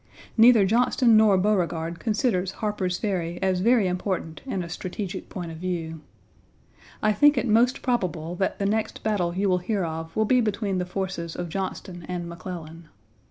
Neither Johnston nor Beauregard considers Harper's Ferry as very important in a strategic point of view. I think it most probable that the next battle you will hear of will be between the forces of Johnston and McClellan.